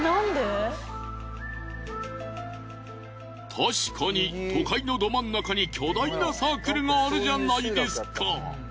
確かに都会のど真ん中に巨大なサークルがあるじゃないですか。